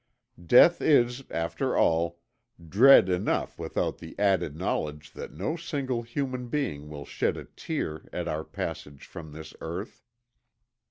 Death is after all dread enough without the added knowledge that no single human being will shed a tear at our passage from this earth.